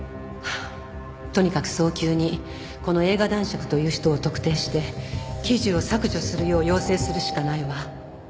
とにかく早急にこの映画男爵という人を特定して記事を削除するよう要請するしかないわ。